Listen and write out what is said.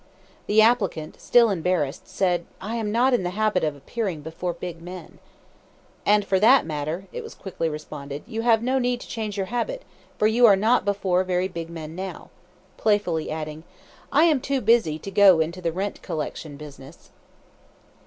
The applicant, still embarrassed, said: "I am not in the habit of appearing before big men." "And for that matter," it was quickly responded, "you have no need to change your habit, for you are not before very big men now;" playfully adding: "I am too busy to go into the rent collection business."